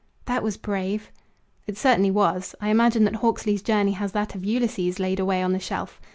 "That was brave." "It certainly was. I imagine that Hawksley's journey has that of Ulysses laid away on the shelf.